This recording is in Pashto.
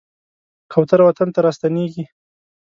کوتره وطن ته راستنېږي.